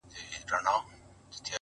بيا به دا نه وايې چي چا سره خبرې وکړه!